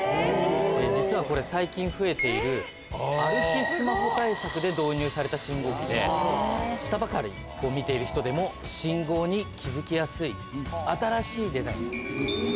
実はこれ最近増えている歩きスマホ対策で導入された信号機で下ばかり見ている人でも信号に気付きやすい新しいデザインです。